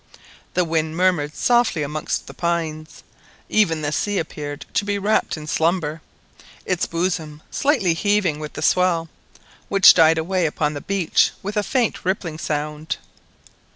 The wind murmured softly amongst the pines; even the sea appeared to be wrapt in slumber, its bosom slightly heaving with the swell, which died away upon the beach with a faint rippling sound.